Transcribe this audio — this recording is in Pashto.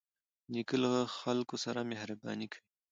نیکه له خلکو سره مهرباني کوي.